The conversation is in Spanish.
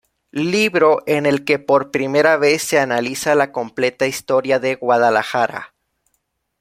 Libro en el que por primera vez se analiza la completa historia de Guadalajara.